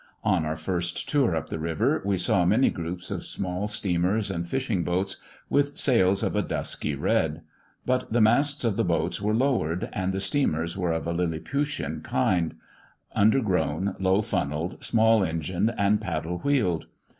On our first tour up the river, we saw many groups of small steamers and fishing boats, with sails of a dusky red; but the masts of the boats were lowered, and the steamers were of a lilliputian kind undergrown, low funnelled, small engined and paddle wheeled.